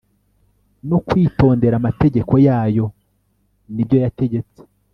no kwitondera amategeko yayo nibyo yategetse